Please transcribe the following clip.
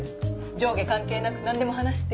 上下関係なく何でも話して。